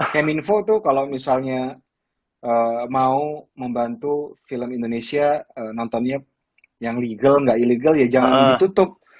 keminfo tuh kalau misalnya mau membantu film indonesia nontonnya yang legal nggak ilegal ya jangan ditutup